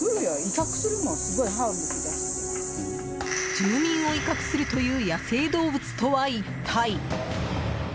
住民を威嚇するという野生動物とは一体。